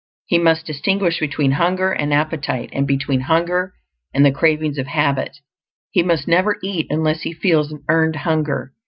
He must distinguish between hunger and appetite, and between hunger and the cravings of habit; he must NEVER eat unless he feels an EARNED HUNGER.